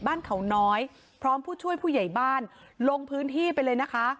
บ้านเขาน้อยพร้อมผู้ช่วยผู้ใหญ่บ้านลงพื้นที่ไปเลยนะคะ